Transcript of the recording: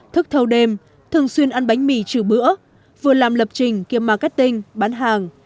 thức thâu đêm thường xuyên ăn bánh mì trừ bữa vừa làm lập trình kiêm marketing bán hàng